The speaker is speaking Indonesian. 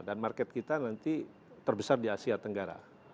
dan market kita nanti terbesar di asia tenggara